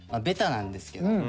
ベタなんですけど。